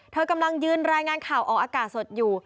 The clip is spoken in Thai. เธอกำลังยืนรายงานข่าวออกอากาศสดอยู่